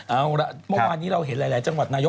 เอาละเมื่อวานนี้เราเห็นหลายจังหวัดนายก